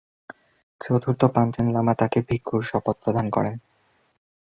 চতুর্থ Panchen Lama তাকে ভিক্ষুর শপথ প্রদান করেন।